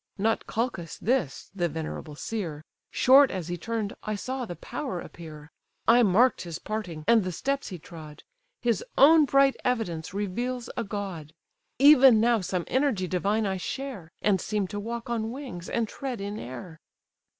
Not Calchas this, the venerable seer; Short as he turned, I saw the power appear: I mark'd his parting, and the steps he trod; His own bright evidence reveals a god. Even now some energy divine I share, And seem to walk on wings, and tread in air!"